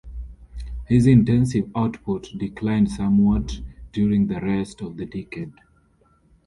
His intensive output declined somewhat during the rest of the decade.